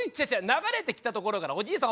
流れてきたところからおじいさん